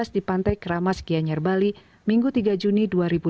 di pantai kramas gianyar bali minggu tiga juni dua ribu delapan belas